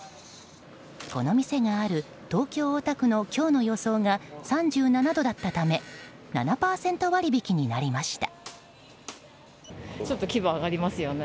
この店がある東京・大田区の今日の予想が３７度だったため７％割引になりました。